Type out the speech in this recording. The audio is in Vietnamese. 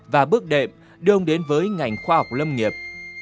và bước đệm đương đến với ngành khoa học lâm nghiệp